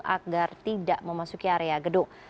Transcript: agar tidak memasuki area gedung